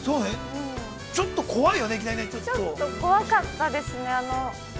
◆ちょっと怖かったですね。